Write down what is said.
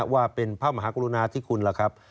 ว่าเป็นพหกทิศพระมหากุณาชินตรีห์ที่คุณแหละครับ